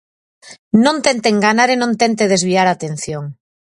Non tente enganar e non tente desviar a atención.